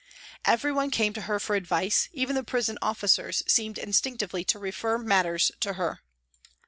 Everyone came to her for advice, even the prison officers seemed instinctively to refer matters to her.